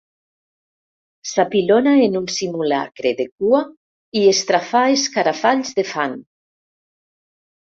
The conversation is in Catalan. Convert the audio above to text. S'apilona en un simulacre de cua i estrafà escarafalls de fan.